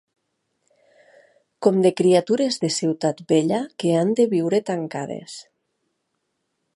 Com de criatures de ciutat vella que han de viure tancades